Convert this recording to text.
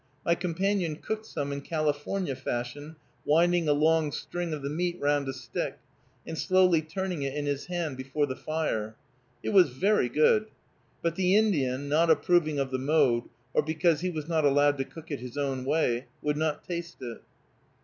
My companion cooked some in California fashion, winding a long string of the meat round a stick and slowly turning it in his hand before the fire. It was very good. But the Indian, not approving of the mode, or because he was not allowed to cook it his own way, would not taste it.